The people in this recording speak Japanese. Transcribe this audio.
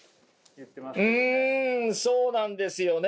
うんそうなんですよね。